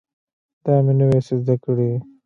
دا مې نوي څه زده کړي